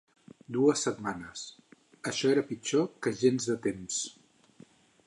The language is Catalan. Dues setmanes... això era pitjor que gens de temps.